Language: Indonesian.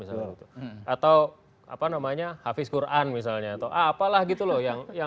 atau hafiz quran misalnya apalah gitu loh